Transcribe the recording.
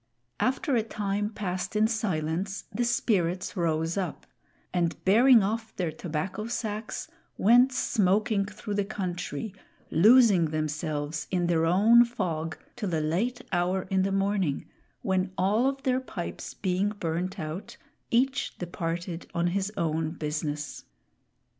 After a time passed in silence, the Spirits rose up, and bearing off their tobacco sacks, went smoking through the country, losing themselves in their own fog, till a late hour in the morning, when all of their pipes being burned out, each departed on his own business.